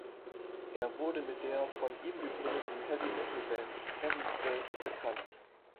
Er wurde mit der von ihm gegründeten Heavy-Metal-Band Heavens Gate bekannt.